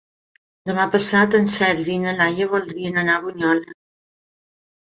Demà passat en Sergi i na Laia voldrien anar a Bunyola.